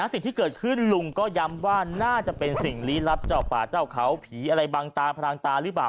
สิ่งที่เกิดขึ้นลุงก็ย้ำว่าน่าจะเป็นสิ่งลี้ลับเจ้าป่าเจ้าเขาผีอะไรบังตาพรางตาหรือเปล่า